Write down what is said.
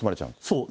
そう。